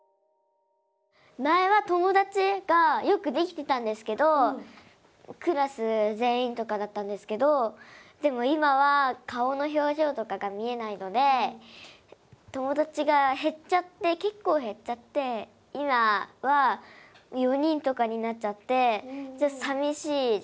前は友達がよくできてたんですけどクラス全員とかだったんですけどでも今は顔の表情とかが見えないので友達が減っちゃって結構減っちゃって今は４人とかになっちゃってさみしいです。